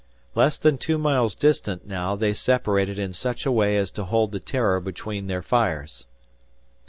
Less than two miles distant now they separated in such a way as to hold the "Terror" between their fires.